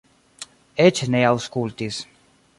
Eĉ ne aŭskultis.